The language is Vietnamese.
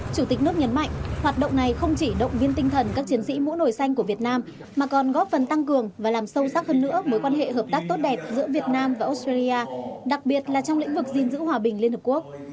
chủ tịch nước nhấn mạnh hoạt động này không chỉ động viên tinh thần các chiến sĩ mũ nổi xanh của việt nam mà còn góp phần tăng cường và làm sâu sắc hơn nữa mối quan hệ hợp tác tốt đẹp giữa việt nam và australia đặc biệt là trong lĩnh vực gìn giữ hòa bình liên hợp quốc